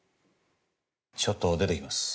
ちょっと出てきます。